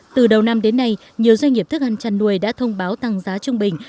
từ đầu năm đến nay nhiều doanh nghiệp thức ăn chăn nuôi đã thông báo tăng giá trung bình